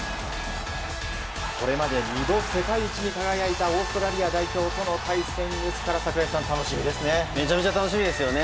これまで２度世界一に輝いたオーストラリア代表との対戦ですから櫻井さん、楽しみですね。